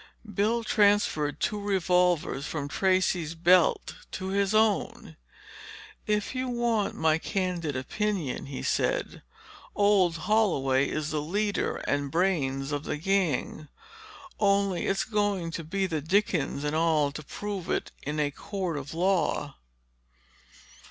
Billy transferred two revolvers from Tracey's belt to his own. "If you want my candid opinion," he said, "Old Holloway is the leader and brains of the gang. Only it's going to be the dickens and all to prove it in a court of law."